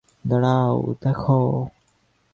দাঁড়াও, দেখো!